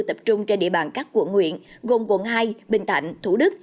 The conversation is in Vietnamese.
tập trung trên địa bàn các quận nguyện gồm quận hai bình thạnh thủ đức